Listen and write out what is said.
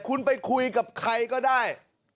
คุณไปคุยกับใครก็ได้